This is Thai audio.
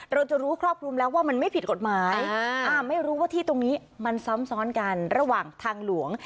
เราจะรู้ครอบคลุมแล้วว่ามันไม่ผิดกฎหมายไม่รู้ว่าที่ตรงนี้มันซ้ำซ้อนกันระหว่างทางหลวง